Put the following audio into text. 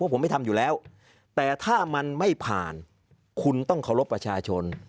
ผมไม่ทำอยู่แล้วแต่ถ้ามันไม่ผ่านคุณต้องเคารพประชาชน